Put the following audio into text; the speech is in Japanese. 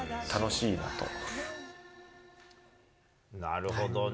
なるほどね。